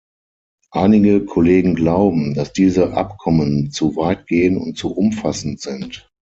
Einige Kollegen glauben, dass diese Abkommen zu weit gehen und zu umfassend sind.